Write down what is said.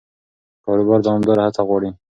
کاروبار دوامداره هڅه غواړي.